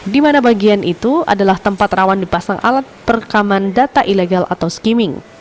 di mana bagian itu adalah tempat rawan dipasang alat perekaman data ilegal atau skimming